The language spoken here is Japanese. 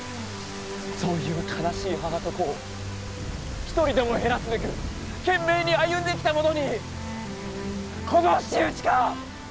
そういう悲しい母と子を一人でも減らすべく懸命に歩んできた者にこの仕打ちか！？